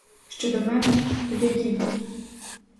Щодо мене, то я їду.